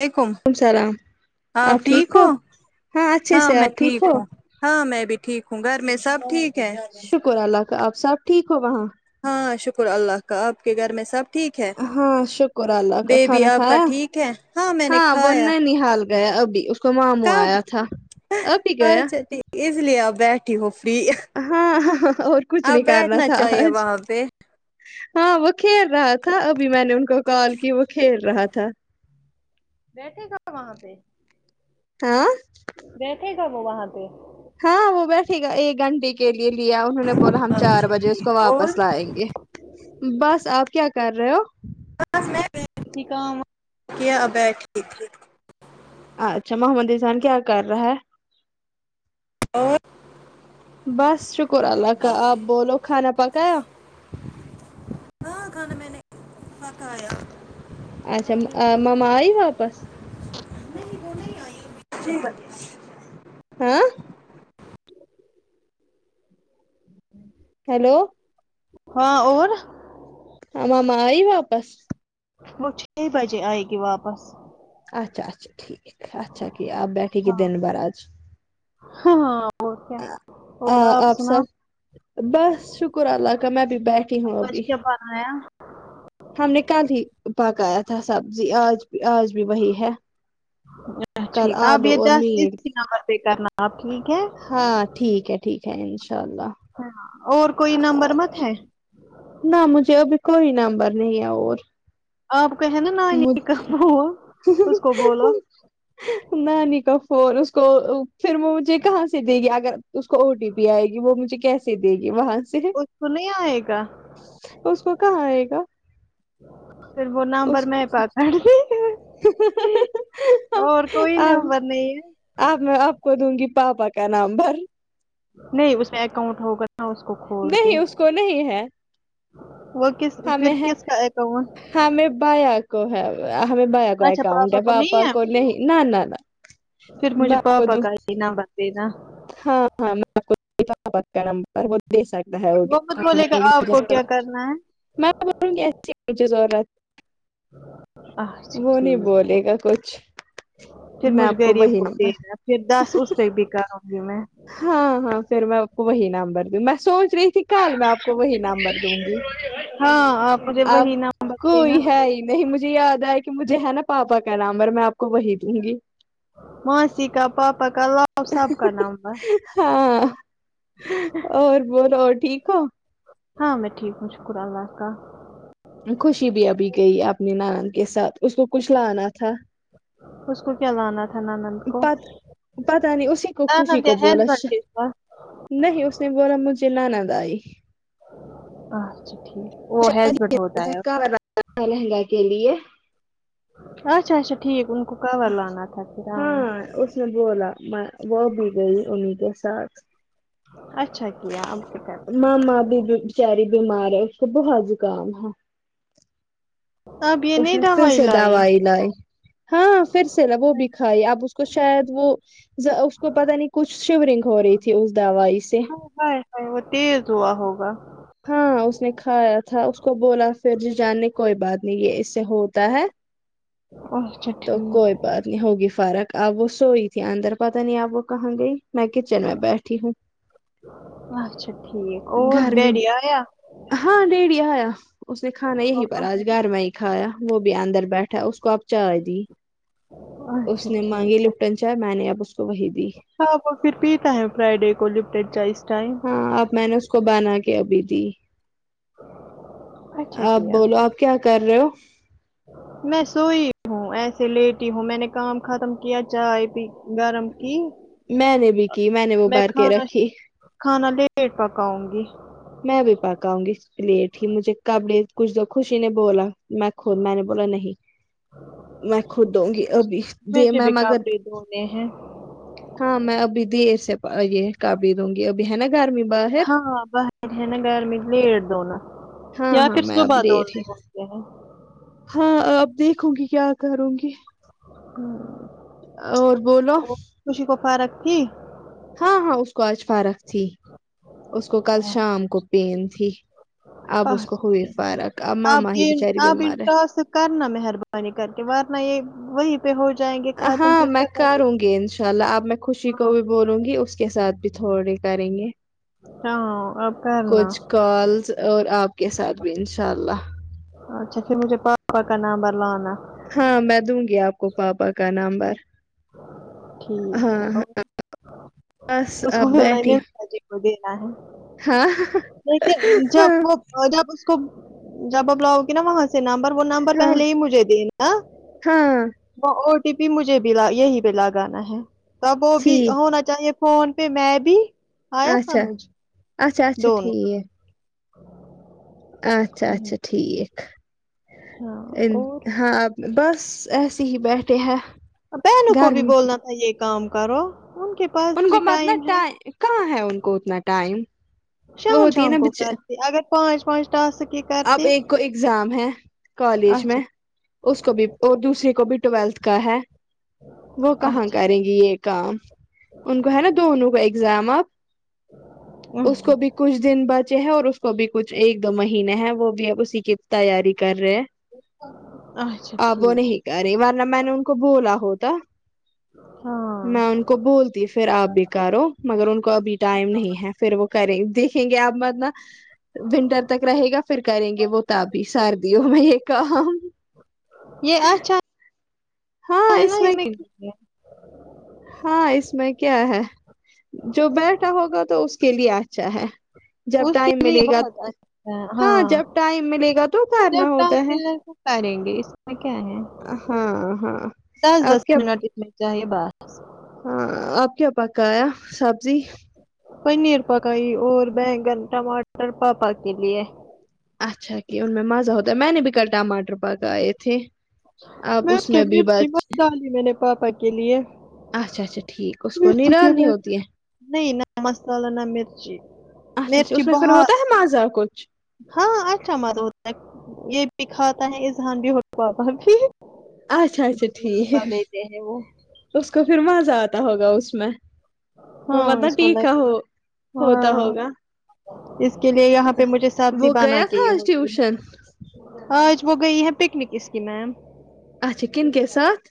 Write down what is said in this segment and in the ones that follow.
ولیکم وعلیکم السلام آپ ٹھیک ہو اچھے ہاں سے میں آپ ٹھیک ہو ہوں ہاں میں بھی ٹھیک ہوں گھر میں سب ٹھیک ہے شکر اللہ کا آپ سب ٹھیک ہو وہاں ہاں شکر اللہ کا آپ کے گھر میں سب ٹھیک ہے ہاں شکر اللہ کا بیبی کھانا آپ کا کھایا ٹھیک ہے میں نے ہاں وہورن کھایا ن حال گیا ابھی کو مامو کب آیا تھا ابھی گیا از لیے آپ بیٹھی ہو فری ہاں ہاں اور کچھ آپ نہیں کرنا بیٹھنا تھا چاہیے آج وہاں پہ ہاں وہ کھیل رہا تھا ابھی میں نے ان کو کال کی وہ کھیل رہا تھا بیٹھے گ ہاں بیٹھے گا وہ وہاں پہ ہاں وہ بیٹھے گا ایک گھنٹے کے لیے لیا انہوں نے بولا ہم چار اچھا بجے اس کو ٹھیک اور واپس لائیں گے بس آپ کیا کر رہے ہو بس میں کا کیا ابٹ ٹھیک ھیک اچھا محمد اسان کیا کر رہا ہے اور بس شکر اللہ کا آپ بولو کھانا پکایا گ کھان میں نے فکایا اچھا ماما آئی واپس جی ب ہاں ہیلو ہاں اور آ ماما آئی واپس وہ چھ بجے آئے گی واپس اچھا اچھا ٹھیک اچھا کہ آپ بیٹھے گ دن بھر آج ہاں وہ کیا آ- اور آ آپ سناؤ سب بس شکر اللہ کا میں بھی بیٹھی ہوں ابھی آیا ہم نے کل ہی پکایا تھا سبزی آج بھی آج بھی وہی ہے ا کل ٹھیک ہے اپ آلو یہ اور دس میٹ اسی نمبر پہ کرنا آپ ٹھیک ہے ہاں ٹھیک ہے ٹھیک ہے ان شاء اللہ اور کوئی نمبر مت ہے نہ مجھے ابھی کوئی نمبر نہیں ہے اور آپ کہے نا نانی مجھ کاکب اس کو بولو نانی کا فون اس کو پھر وہ مجھے کہاں سے دے گی اگر اس کو او ٹی پی آئے گی وہ مجھے کیسے دے گی وہاں سے تو نہیں آئے گا اس کو کہاں آئے گا پھر وہ نمبر اس میں کو پاتا اور کوئی نمبر نہیں ہے اب میں آپ کو دوں گی پاپا کا نمبر نہیں اس میں اکاؤنٹ ہوگا نہ اس کو کھول کے نہیں اس کو نہیں ہے وہ کس ہمیں پھر ہے کس کا اکاؤنٹ ہمیں بایہ کو ہے ہمیں بایہ کو اچھا اکاؤنٹ ہے کو پاپا نہیں ہے کو نہیں نہ نہ نہ پھر مجھے کو پاپا دوں کا ہی نمبر دینا ہاں ہاں میں آپ نمبر وہ دے سکتا ہے وہ مت بولے گا آپ کو کیا کرنا ہے کی ضرورت اچھا وہ نہیں ٹھیک ہے بولے گا کچھ پھر میں مجھ آپ غریب وہی کو نمبر دینا پھر دس اس پہ بھی کراوں گی میں ہاں ہاں پھر میں آپ وہی نامبر دوں میں سوچ رہی ت کل میں آپ کو وہی نمبر دوں گی ہاں مجھے آپ وہی نمبر کوئی دینا ہے ہی نہیں مجھے یاد ایا کی مجھے ہے نا پاپا کا نمبر اور میں آپ کو وہی دوں گی ماسی کا پاپا کا لاو سب کا نمبر ہاں اور بولو اور ٹھیک ہو ہاں میں ٹھیک ہوں شکر اللہ کا خوشی بھی ابھی گئی اپنی نانند کے ساتھ اس کو کچھ لانا تھا اس کو کیا لانا تھا نانند کو پت پتہ نہیں اسی کو خوشی نانند یا کو بولو ہسبینڈ کے پاس نہیں اس نے بولا مجھے نانند آئی اچھا ٹھیک وہ ہے زیٹ ہوتا ہے آ لہنگا کے لیے اچھا اچھا ٹھیک ان کو کور لانا تھا پھر ہاں اس نے بولا میں وہ بھی گئی انہیں کے ساتھ اچھا کیا اب کیا کر مما بھی گیی بچاری بیمار ہے اس کو بہت زکام ہے اب یہ اس نہیں نے پھر دوائی سے لائی دوائی لائی ہاں پھر سے وہ بھی کھائی آپ اس کو شاید وہ اس کو پتہ نہیں کچھ شیو رنگ ہو رہی تھی اس دوائی سے ہائے وہ تیز ہوا ہوگا ہاں اس نے کھایا تھا اس کو بولا پھر جاننے کوئی بات نہیں ہے اس سے ہوتا ہے ا تو کوئی بات نہیں ہوگی فارق آپ وہ سوئی تھی اندر پتہ نہیں اب وہ کہاں گئی میں کچن میں بیٹھی ہوں اچھا ٹھیک اور گرمی ڈیڈی آیا ہاں ڈیڑی آیا اس نے کھانا یہی پر ہوگا آج ہے۔ گھر میں ہی کھایا وہ بھی اندر بیٹھا اس کو اب چائے دی اس اچھا نے مانگی ٹھیک ہے لپٹن چائے میں نے اب اس کو وہی دی ہاں وہ پھر پیتا ہے فرائیڈے کو لپٹن چاۓ اس ٹائم ہاں اب میں نے اس کو بنا کے ابھی دی اچھا آپ کیا بولو آپ کیا کر رہے ہو میں سوئی ہوں ایسے لیٹی ہوں میں نے کام ختم کیا چائے پی گرم کی میں نے بھی کی نے وہ میں بار کے کھانا رکھی کھانا لیٹ پکاؤں گی میں بھی پکاؤں گی لیٹ ہی مجھے کبڑے کچھ دو خوشی نے بولا میں خود میں نے بولا نہیں میں خود دوں گی ابھی دے مجھے میں بھی مگر کپڑے دھونے ہیں ہاں میں ابھی دیر سے یہ کابی دوں گی ابھی ہے نا گھرمی باہر ہاں باہر ہے نا گرمی لیٹ دونوں ہاں یا ہاں پھر میں اب صبح لیٹ ہی دونوں ہوتے ہیں ہاں آپ دیکھو گی کیا کروں گی ہوں اور بولو خوشی کو فارق تھی ہاں ہاں اس کو آج فارق تھی اس کو کل شام کو پین تھی اب اس کو اچھا ہوئی ٹھیک۔ فرق اب آپ ماما ہی ان بچاری آپ ان بیمار ہے ٹاسک کرنا مہربانی کر کے وارنہ یے وہی پے ہو جائیں گے ختم ہاں پھر میں کیا کرو کروں گے گی انشاء اللہ اب میں خوشی کو ہاں بھی بولوں گی اس کے ساتھ بھی تھوڑی کریں گے ہاں اب کرنا کالس اور آپ کے ساتھ بھی انشاء اللہ اچھا پھر مجھے پاپا کا نامبر لانا ہاں میں دوں گی آپ کو پاپا کا نامبر ٹھیک ہے او بس اس کو آپ بھی بیٹھی لیمینس ہے لوگے کا ہے ہاں لیکن ہاں جب وہ اور جب اس کو جب اپ لاؤ گے نا وہاں سے نمبر وہ نمبر ہاں پہلے ہی مجھے دینا ہاں وہ او ٹی پی مجھے بھی یہی پہ لگانا ہے تو وہ بھی ٹھیک ہونا چاہیے فون پہ میں بھی آیا اچھا سمجھ اچھا اچھا دونوں ٹھیک اچھا اچھا ٹھیک ہاں اور ہاں بس ایسے ہی بیٹھے ہیں بہنوں کو بھی گرمی بولنا تھا یہ کام کرو ان کے پاس ان بھی کو متنا ٹائم ہے کہاں ہے ان کو اتنا ٹائم وہ شام ہوتی ہے شام نا کو بچ کرتے اگر پانچ پانچ ٹاسک کے اب ایک کو ایگزام ہے کالج میں اچھا اس کو بھی اور دوسرے کو بھی ٹویلتھ کا ہے وہ کہاں اچھا کریں گی یہ کام ان کو ہے نا دونوں کا اگزام آپ اس کو بھی کچھ دن بچے ہے اور اس کو بھی کچھ ایک دو مہینے ہیں وہ بھی اسی کی تیاری کر رہے ہیں اچھا آب وہ ٹھیک نہیں کر رہی ورنہ میں نے ان کو بولا ہوتا ہاں میں ان کو بولتی پھر آپ بی کارو مگر ان کو ابھی ٹائم نہیں ہے پھر وہ کریں دیکھیں گے آپ مت نا ونٹر تک رہے گا پھر کریں گے وہ تا بھی سردیوں میں یہ کام یہ اچا ہاں ہے اس نہیں میں ہاں اس میں کیا ہے جو بیٹھا ہوگا تو اس کے لیے اچھا ہے جب اس کے ٹائم لیے ملے گا بہت اچھا ہے ہاں جب ٹائم ملے گا تو جب کرھرنا ٹائم ہوتا ہے ملے تو کریں گے اس کیا ہے ہاں ہاں دس دس آپ کیا منٹ اتنے چاہیے بس ہاں آپ کیا پکایا سبزی پنیر پکائی اور بینگن ٹماٹر پاپا کے لیے اچھا کہ ان میں مزہ ہوتا ہے میں نے بھی کل ٹماٹر پکائے تھے میں اب اس کہ بھی مرچی بچ بہت ڈالی میں نے پاپا کے لیے اچھا اچھا ٹھیک اس کو مرچی نڈال نہیں کے ہوتی ہے نہیں نہ مسالہ نہ مرچی اچھا اچھا مرچی اس میں پھر بہت ہوتا مزہ کچھ ہاں اچھا مت ہوتا ہے یے بھی کھاتا ہے اذہان بھی ہونے کو آتا ہے اچھا اچھا ٹھیک ہیں وہ اس کو پھر مزہ آتا ہوگا اس میں ہاں اس کو لگ [unintelligible] ہوتا ہاں ہوگا اس کے لیے یہاں پے مجھے سبزی وہ بنا گیا کے یے تھا آج ہوتی ٹیوشن ہے آج وہ گئی ہے پکنک اس کی میم اچھا کن کے ساتھ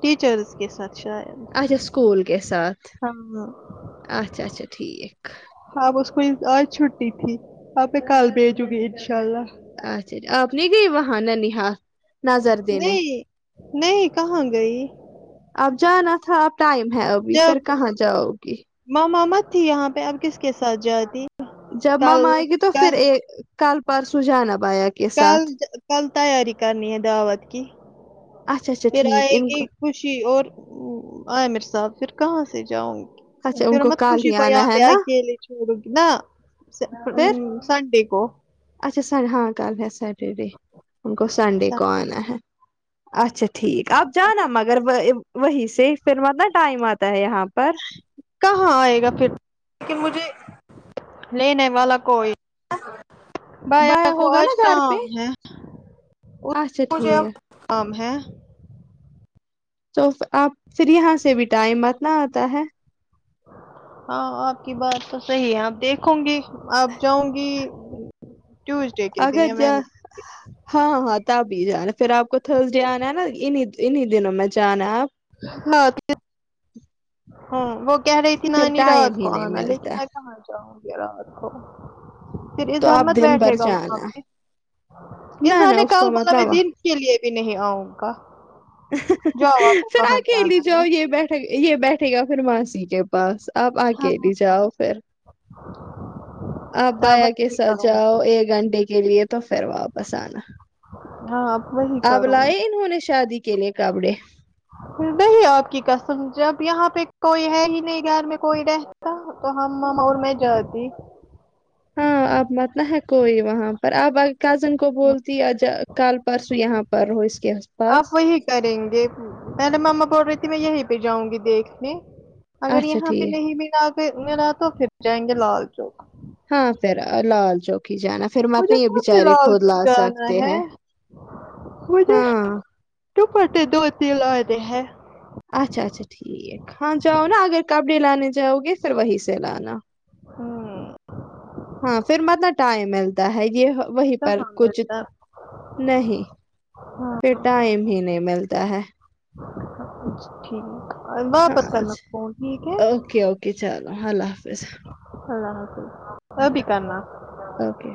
ٹیچرز کے ساتھ شاید اسکول کے ساتھ ہاں ہاں اچھا اچھا ٹھیک اب اس کو آج چھٹی تھی اب میں کل بھیجوں گی انشاء اللہ اچھا چھا آپ نہیں گئی وہاں ننھیال نہیں نہیں کہاں گئی اب جانا تھا اب ٹائم ہے ابھی پھر کہاں جاؤ گی ماما مت تھی یہاں پہ اب کس کے ساتھ جاتی جب ماما کل آئے گی تو پھر کل یے کل پرسوں جانا یایا کل کل تیاری کرنی ہے دعوت کی اچھا اچھا پھر ٹھیک آئے ان گی کو خوشی اور وہ آمیر صاحب پھر کہاں سے جاؤں گی اچھا ان پھر کو مت کل خوشی ہی کو آنا یہاں ہے پے نا اکیلے چھوڑو گی نا پھر سنڈے کو اچھا سن ہاں کل ہے سیٹرڈے ان کو سنڈے سن- کو آنا ہے اچھا ٹھیک اب جانا مگر وے وہیں سے پھر مت نہ ٹائم آتا ہے یہاں پر کہاں آئے گا پھر لیکن مجھے لینے والا کوئی بھیا بایا کو ہوگا نا آج گھر پہ کام ہے اچھا مجھے اب ٹھیک کام ہے تو آپ پھر یہاں سے بھی ٹائم مت نا آتا ہے ہاں آپ کی بات تو صحیح ہے اب دیکھوں گی اب جاؤں گی ٹیوزڈے کے دن اگر یا میں جا ہاں ہاں تب ہی جانا پھر آپ کو تھرس ڈے آنا ہے نا ان ہی ان ہی دنوں میں جانا آپ [inaudible] ہاں وہ کہہ رہی تھی پھر نانی رات ٹائم کو ہی نہیں آنا لیکن ملتا میں کہاں جاؤں گی رات کو پھر تو اذہار آپ مت دن بھر بیٹھے گا وہاں جانا پے نہ اذہار نہ نے اس کو کل مت بولا نہ میں دن وہاں کے لیے بھی نہیں آؤں گا جاؤ آپ کو پھر کہاں اکیلی جانا ہے جاؤ یے بیٹھے یے بیٹھے گا پھر ماسی کے پاس اب ہاں اکیلی جاؤ پھر اب ہاں بھیا کے وہی ساتھ کروں جاؤ گی ایک گھنٹے کے لیے تو پھر واپس آنا ہاں وہی اب کروں لائے انہوں نے شادی کے لیے کپڑے نہیں آپ کی قسم جب یہاں پے کوئی ہے ہی نہیں گھر میں کوئی رہتا تو ہم مما اور میں جاتی ہاں آپ مت نہ ہے کوئی وہاں پر ب ا کزن کو بولتی آجا کال پرسوں یہاں پر ہو اس کے پاس آپ وہی کریں گے ارے مما بول رہی تھی میں یہیں پے جاؤں گی دیکھنے اگر اچھا یہاں پے ٹھیک نہیں بھی آگر ملا تو پھر جائیں گے لال چوک ہاں پھر لال چوک ہی جانا پھر مت مجھے یے کون بچارے لال خود چوک لا جانا سکتے ہے ہیں مجھے ہاں دوپٹے دو دلانے ہیں اچھا اچھا ٹھیک ہاں جاؤ نا اگر کپڑے لانے جاؤ گے پھر وہیں سے لانا ہوں، ہاں پھر مت نہ ٹائم ملتا ہے یے وہی پر کہاں کچھ ملتا نہیں پھر ٹائم ہی نہیں ملتا ہے ٹھیک ہے واپس ہاں کرنا فون ٹھیک ہے اوکے اوکے چلو اللہ حافظ اللہ حافظ ا بھی کرنا اوکے